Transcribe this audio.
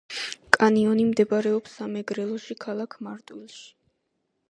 კანიონი მდებარეობს სამეგრელოში ქალაქ მარტვილში